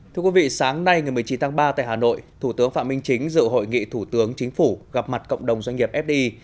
thưa quý vị sáng nay ngày một mươi chín tháng ba tại hà nội thủ tướng phạm minh chính dự hội nghị thủ tướng chính phủ gặp mặt cộng đồng doanh nghiệp fdi